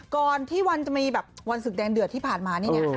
ก่อนที่วันจะมีแบบวันศึกแดงเดือดที่ผ่านมานี่เนี่ย